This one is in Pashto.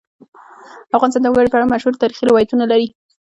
افغانستان د وګړي په اړه مشهور تاریخی روایتونه لري.